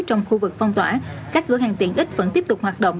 trong khu vực phong tỏa các cửa hàng tiện ích vẫn tiếp tục hoạt động